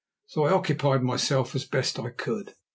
So I occupied myself as best I could.